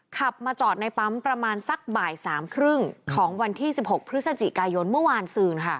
ขับมาจอดในปั๊มประมาณสักบ่าย๓๓๐ของวันที่๑๖พฤศจิกายนเมื่อวานซืน